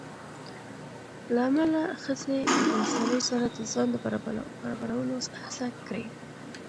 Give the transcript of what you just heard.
له امله ښځې له سړي سره د ځان د برابرولو هڅه کړې